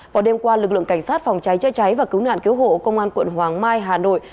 vào đêm qua lực lượng cảnh sát phòng cháy chữa cháy và cứu nạn cứu hộ công an quận hoàng mai hà nội